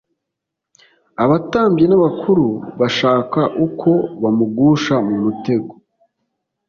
Abatambyi n'abakuru bashaka uko bamugusha mu mutego'.